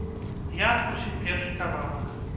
Я адкусіў першы кавалак.